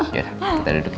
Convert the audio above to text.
yaudah kita duduk ya